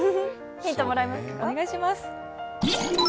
ヒントもらいますか。